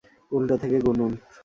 উল্টো থেকে গুনুন।